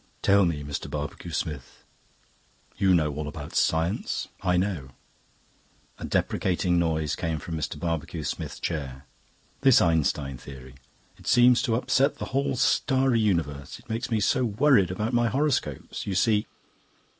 "Tell me, Mr Barbecue Smith you know all about science, I know " A deprecating noise came from Mr. Barbecue Smith's chair. "This Einstein theory. It seems to upset the whole starry universe. It makes me so worried about my horoscopes. You see..."